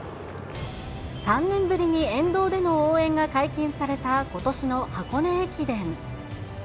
３年ぶりに、沿道での応援が解禁されたことしの箱根駅伝。